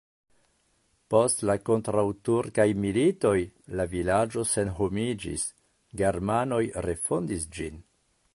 Post la kontraŭturkaj militoj la vilaĝo senhomiĝis, germanoj refondis ĝin.